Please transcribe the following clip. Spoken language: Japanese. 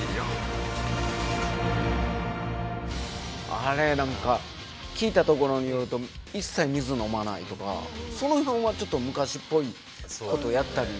あれ何か聞いたところによると一切水飲まないとかその辺はちょっと昔っぽいことやったりしてるんですね。